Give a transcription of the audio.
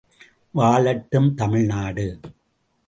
வாழட்டும் தமிழ் நாடு!